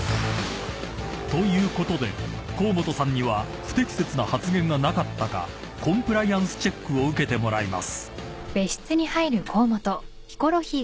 ということで河本さんには不適切な発言がなかったかコンプライアンスチェックを受けてもらいます］えっ？